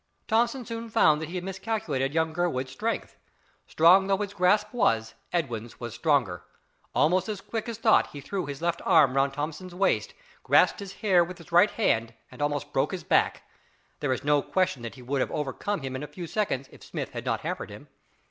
Thomson soon found that he had miscalculated young Gurwood's strength. Strong though his grasp was, Edwin's was stronger. Almost as quick as thought he threw his left arm round Thomson's waist, grasped his hair with his right hand, and almost broke his back. There is no question that he would have overcome him in a few seconds if Smith had not hampered him.